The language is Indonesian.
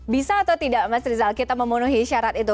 bisa atau tidak mas rizal kita memenuhi syarat itu